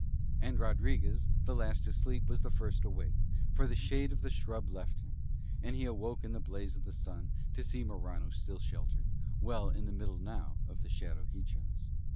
And Rodriguez the last to sleep was the first awake, for the shade of the shrub left him, and he awoke in the blaze of the sun to see Morano still sheltered, well in the middle now of the shadow he chose.